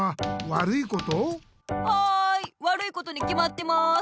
はいわるいことにきまってます！